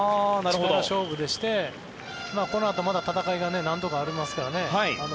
力勝負で行ってこのあと、まだ戦いが何度かありますからね。